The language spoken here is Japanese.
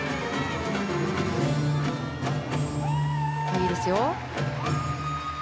いいですよ。